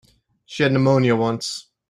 She had pneumonia once.